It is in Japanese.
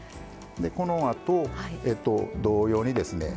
このあと同様にですね